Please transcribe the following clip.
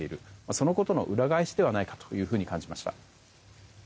そのことの裏返しではないかと感じました。